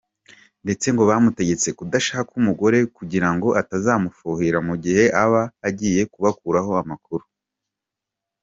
Ndetse ngo bamutegetse kudashaka umugore kugira ngo atazamufuhira, mu gihe aba yagiye kubakuraho amakuru.